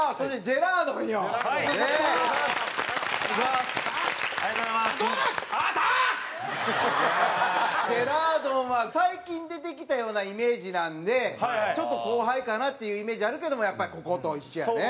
ジェラードンは最近出てきたようなイメージなんでちょっと後輩かなっていうイメージあるけどもやっぱりここと一緒やね。